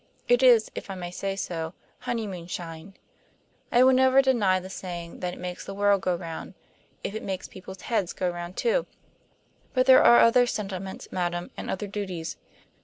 It is, if I may say so, honeymoonshine. I will never deny the saying that it makes the world go round, if it makes people's heads go round too. But there are other sentiments, madam, and other duties.